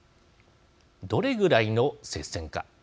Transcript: どれぐらいの接戦か。